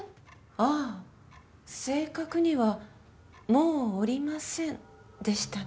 ああ正確には「もうおりません」でしたね。